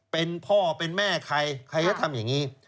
เป็นพ่อเป็นแม่ใครใครจะทำอย่างนี้